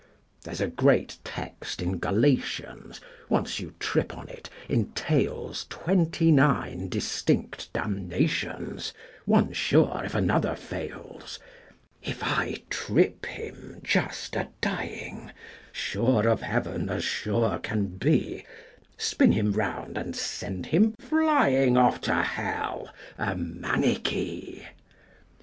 VII. There's a great text in Galatians, Once you trip on it, entails Twenty nine distinct damnations, One sure, if another fails: If I trip him just a dying, Sure of heaven as sure can be, Spin him round and send him flying Off to hell, a Manichee?